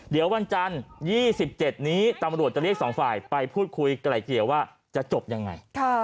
เดี๋ยววันจันทร์๒๗นี้ตำรวจจะเรียกสองฝ่ายไปพูดคุยไกลเกลียว่าจะจบยังไง